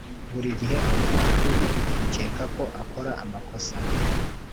buri gihe aba afite ukuri ukeka ko akora amakosa